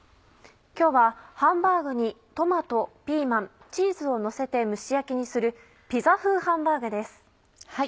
今日はハンバーグにトマトピーマンチーズをのせて蒸し焼きにする「ピザ風ハンバーグ」です。